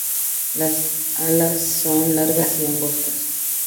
Las alas son largas y angostas.